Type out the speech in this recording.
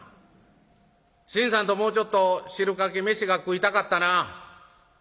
信さんともうちょっと汁かけ飯が食いたかったなあ」。